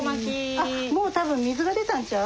あっもう多分水が出たんちゃう？